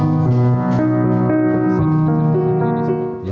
kegiatan yang mereka sudah memiliki